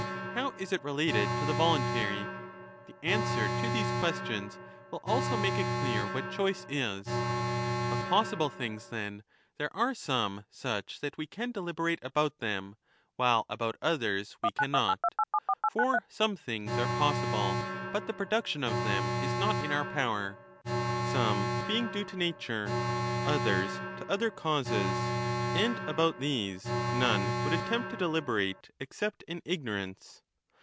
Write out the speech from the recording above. How is it related to the voluntary ? The answer to these ques tions will also make it clear what choice is. Of possible 20 things, then, there are some such that we can deliberate about them, while about others we cannot. For some things are possible, but the production of them is not in our power, some being due to nature, others to other causes ; and about these none would attempt to deliberate except in 25 ignorance.